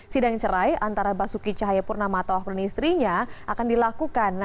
sidang cerai antara basuki cahaya purnama atau ahli pernih istrinya akan dilakukan